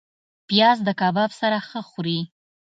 پیاز د کباب سره ښه خوري